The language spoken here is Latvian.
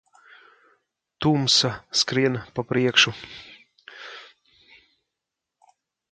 Tumsa skrien pa priekšu.